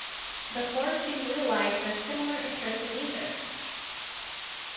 The four soon realized their similar interests in music.